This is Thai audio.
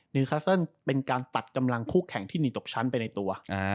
นิวคัสเซิลเป็นการตัดกำลังคู่แข่งที่หนีตกชั้นไปในตัว